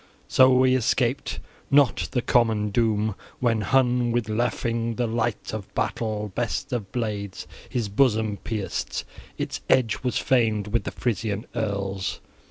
So he escaped not the common doom, when Hun with "Lafing," the light of battle, best of blades, his bosom pierced: its edge was famed with the Frisian earls.